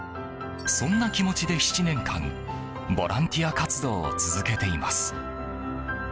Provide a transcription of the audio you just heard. そんな気持ちで７年間、ボランティア活動を続けています。